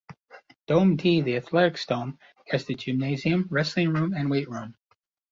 Dome D, the athletics dome, has the gymnasium, wrestling room and weight room.